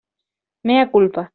Mea culpa.